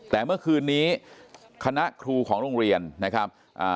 แต่เมื่อคืนนี้คณะครูของโรงเรียนนะครับอ่า